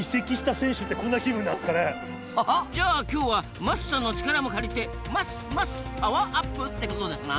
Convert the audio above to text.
ハハッじゃあ今日は桝さんの力も借りて「ますます」パワーアップ！ってことですな。